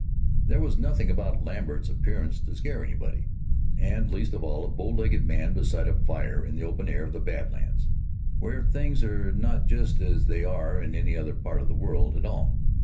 There was nothing about Lambert's appearance to scare anybody, and least of all a bow legged man beside a fire in the open air of the Bad Lands, where things are not just as they are in any other part of this world at all.